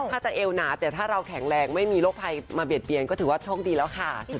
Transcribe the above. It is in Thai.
ถ้าจะเอวหนาแต่ถ้าเราแข็งแรงไม่มีโรคภัยมาเบียดเบียนก็ถือว่าโชคดีแล้วค่ะ